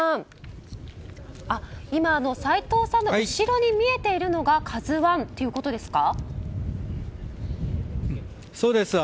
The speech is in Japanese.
今、斎藤さんの後ろに見えているのが「ＫＡＺＵ１」ということですか。